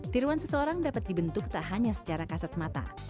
tiruan seseorang dapat dibentuk tak hanya secara kasat mata